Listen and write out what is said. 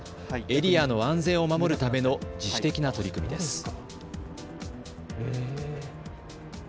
エリアの安全を守るための自主的な取り組みです。